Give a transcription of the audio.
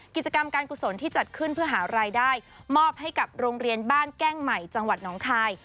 กิจกรรมการกุศลที่จัดขึ้นเพื่อหารายได้มอบให้กับโรงเรียนบ้านแก้งใหม่จังหวัดน้องคาย